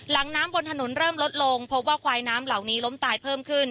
หลังน้ำบนถนนเริ่มลดลงพบว่าควายน้ำเหล่านี้ล้มตายเพิ่มขึ้น